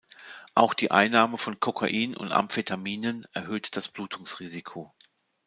Auch die Einnahme von Kokain und Amphetaminen erhöht das Blutungsrisiko.